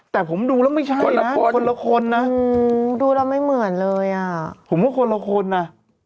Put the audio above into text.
แต่ผมดูแล้วไม่ใช่คนนะคนละคนนะดูแล้วไม่เหมือนเลยอ่ะผมว่าคนละคนอ่ะ